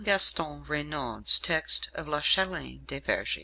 Gaston Raynaud's text of La Chatelaine de Vergi.